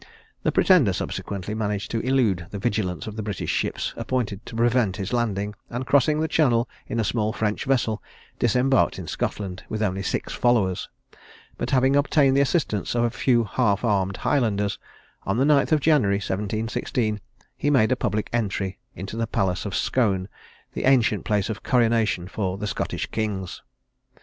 The Pretender subsequently managed to elude the vigilance of the British ships appointed to prevent his landing, and crossing the Channel in a small French vessel, disembarked in Scotland, with only six followers; but having obtained the assistance of a few half armed Highlanders, on the 9th of January 1716, he made a public entry into the palace of Scone, the ancient place of coronation for the Scottish kings.